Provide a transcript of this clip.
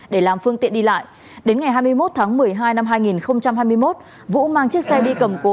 để làm phương tiện đi lại đến ngày hai mươi một tháng một mươi hai năm hai nghìn hai mươi một vũ mang chiếc xe đi cầm cố